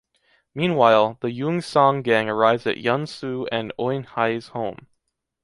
Meanwhile, the Joong-sang gang arrives at Hyun-soo and Eun-hye’s home.